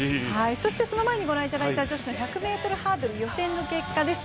その前に御覧いただいた女子の１００ｍハードル予選の結果です。